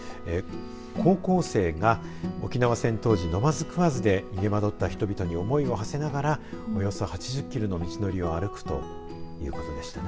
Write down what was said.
高校生が沖縄戦当時飲まず食わずで逃げ惑った人々に思いを馳せながらおよそ８０キロの道のりを歩くということでしたね。